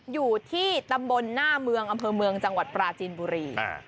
อยู่ที่ตำบลหน้าเมืองอำเภอเมืองจังหวัดปราจีนบุรี